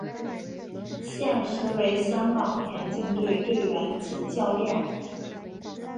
现时为香港田径队队员及教练。